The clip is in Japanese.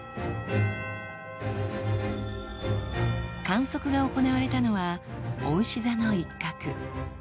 観測が行われたのはおうし座の一角。